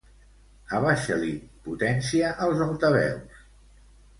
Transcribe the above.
Abaixa-li potència als altaveus.